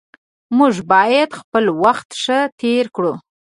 موږ باید خپل وخت ښه تیر کړو